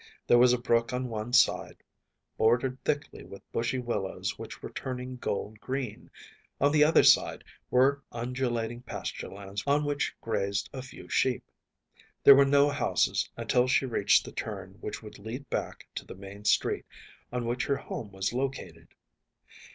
There was a brook on one side, bordered thickly with bushy willows which were turning gold green. On the other side were undulating pasture lands on which grazed a few sheep. There were no houses until she reached the turn which would lead back to the main street, on which her home was located.